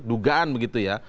dugaan begitu ya